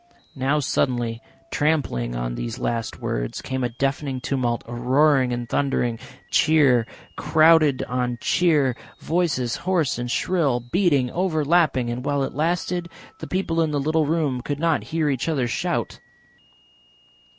Now suddenly, trampling on these last words, came a deafening tumult, a roaring and thundering, cheer crowded on cheer, voices hoarse and shrill, beating, overlapping, and while it lasted the people in the little room could not hear each other shout.